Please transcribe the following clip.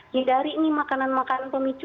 hindari nih makanan makanan pemicu